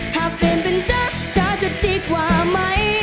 ถ้าเป็นเป็นจ๊ะจะดีกว่าไหม